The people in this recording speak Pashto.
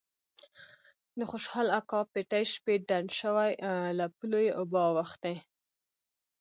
د خوشال اکا پټی شپې ډنډ شوی له پولو یې اوبه اوختي.